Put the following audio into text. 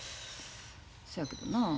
そやけどなあ